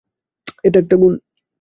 এটা একটা গুণ!